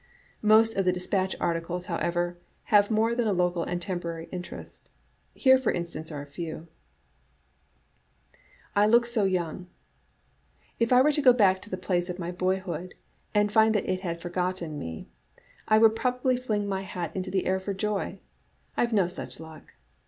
Most of the Dispatch articles, however, have more than a local and temporary interest. Here, for in stance, are a few : I Look So Young. — If I were to go back to the place of my boyhood and find that it had forgotten me, I would ine^iULycmuvt" probably fling my hat into the air for joy. I have no such luck.